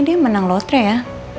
dia menang lotre ya